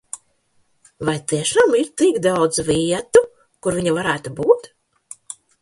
Vai tiešām ir tik daudz vietu, kur viņa varētu būt?